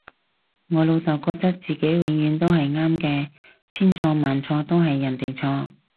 我老竇覺得自己永遠都係啱嘅，千錯萬錯都係人哋錯